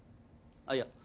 あっいや。